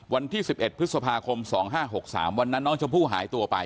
วันที่๑๑พฤษภาคม๒๕๖๓วันนั้นน้องชมพู่หายตัวไป